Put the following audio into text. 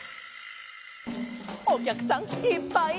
「おきゃくさんいっぱいや」